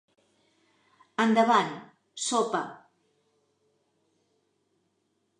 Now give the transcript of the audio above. Endavant, sopa.